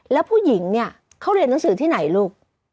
แล้วผู้หญิงเนี่ยเขาเรียนหนังสือที่ไหนลูก